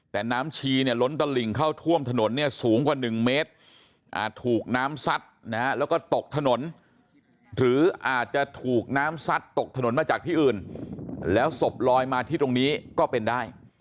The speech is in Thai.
แต่น้ำชีเนี่ยล้นตลิ่งเข้าท่วมถนนเนี่ยสูงกว่า๑เมตรถูกน้ำซัดนะฮะแล้วก็ตกถนนหรืออาจจะถูกน้ำซัดตกถนนมาจากที่อื่นแล้วศพลอยมาที่ตรงนี้ก็เป็นได้